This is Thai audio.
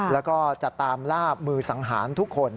แล้วก็จะตามล่ามือสังหารทุกคน